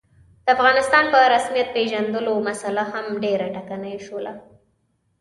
د افغانستان په رسمیت پېژندلو مسعله هم ډېره ټکنۍ شوله.